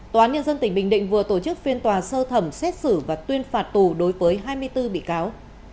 tòa án nhân dân tỉnh bình định vừa tổ chức phiên tòa sơ thẩm xét xử và tuyên phạt tù đối với hai mươi bốn bị cáo